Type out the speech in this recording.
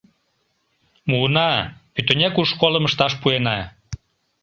— Муына, пӱтынек у школым ышташ пуэна.